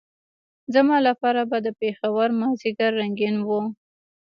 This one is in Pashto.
زما لپاره به د پېښور مازدیګر رنګین وو.